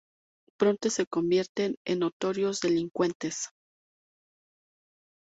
Pronto se convierten en notorios delincuentes.